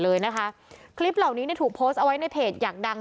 เป็นพระรูปนี้เหมือนเคี้ยวเหมือนกำลังทำปากขมิบท่องกระถาอะไรสักอย่าง